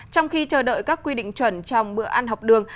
trong khi chờ đợi các quy định chuẩn trong bữa ăn học đường